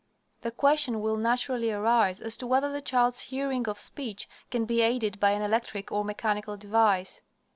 The question will naturally arise as to whether the child's hearing of speech can be aided by an electric or mechanical device.